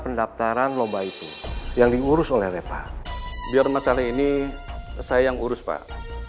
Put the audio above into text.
pendaftaran lomba itu yang diurus oleh reva biar masalah ini saya yang urus pak